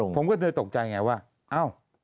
ผมก็เลยตกใจไงว่า